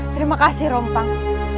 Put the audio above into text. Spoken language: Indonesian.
terima kasih rompang